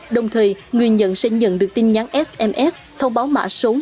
đồng thời người nhận sẽ nhận được tin nhắn sms thông báo mã số mở ô tủ chứa hàng